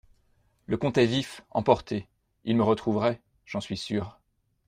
Le comte est vif, emporté ; il me retrouverait… j’en suis sûr…